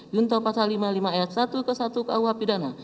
junto pasal lima puluh lima ayat satu ke satu kuh pidana